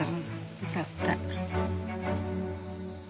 よかった。